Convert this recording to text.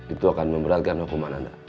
itu akan memberatkan hukuman anda